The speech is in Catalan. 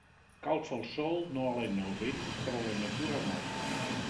Calfa el sol, no alena el vent, però la natura ha mort.